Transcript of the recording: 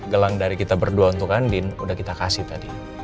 gelang dari kita berdua untuk andin udah kita kasih tadi